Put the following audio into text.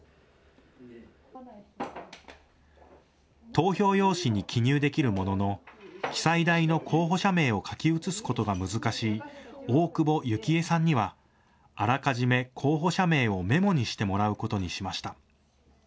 投票用紙に記入できるものの記載台の候補者名を書き写すことが難しい大久保幸恵さんにはあらかじめ候補者名をメモにしてもらうことにしました。